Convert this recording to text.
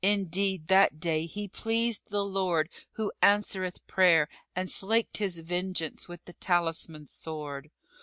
indeed that day he pleased the Lord who answereth prayer and slaked his vengeance with the talisman sword!